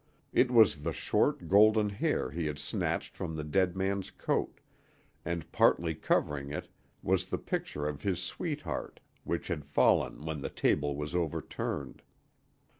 It was the short golden hair he had snatched from the dead man's coat, and partly covering it was the picture of his sweetheart which had fallen when the table was overturned.